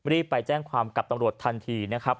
รีบไปแจ้งความกับตำรวจทันทีนะครับ